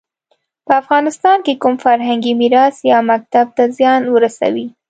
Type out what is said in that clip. په افغانستان کې کوم فرهنګي میراث یا مکتب ته زیان ورسوي.